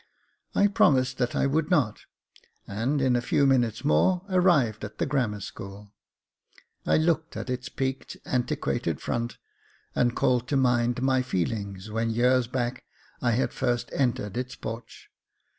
I promised that I would not, and, in a few minutes more, arrived at the Grammar School. I looked at its peaked, antiquated front, and called to mind my feelings when, years back, I had first entered its porch.